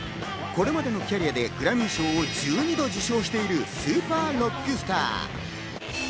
これまでのキャリアでグラミー賞を１２度受賞しているスーパーロックスター。